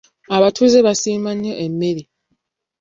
Abatuuze baasiima nnyo emmere.